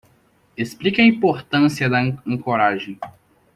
Explique a importância da ancoragem